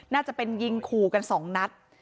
น่าจะเป็นยิงขู่กันสองนัด